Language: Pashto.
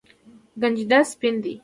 کنجد سپین دي.